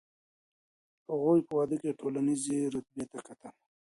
هغوی په واده کي ټولنیزې رتبې ته کتل.